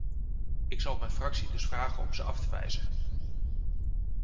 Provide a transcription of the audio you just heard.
Ik zal mijn fractie dus vragen om ze af te wijzen.